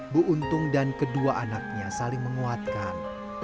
bu untung dan kedua anaknya saling menguatkan